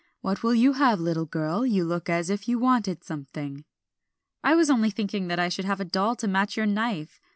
What will you have, little girl, you look as if you wanted something?" "I was only thinking that I should have a doll to match your knife.